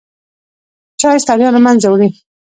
چای ستړیا له منځه وړي.